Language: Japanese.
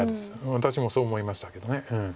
私もそう思いましたけど。